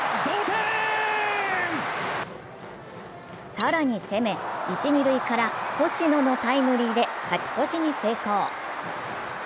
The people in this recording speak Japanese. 更に攻め、一・二塁から星野のタイムリーで勝ち越しに成功。